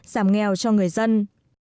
giảm nghèo cho người dân